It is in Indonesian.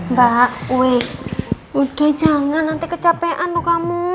mbak wis udah jangan nanti kecapean loh kamu